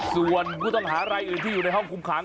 ส่วนผู้ต้องหารายอื่นที่อยู่ในห้องคุมขัง